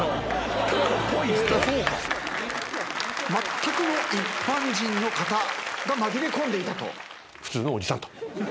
まったくの一般人の方が紛れ込んでいたと。